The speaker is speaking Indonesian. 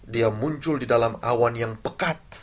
dia muncul di dalam awan yang pekat